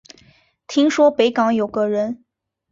听说北港有个人